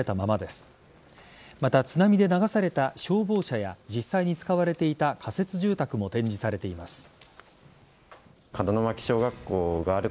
また、津波で流された消防車や実際に使われていた仮設住宅も展示されています。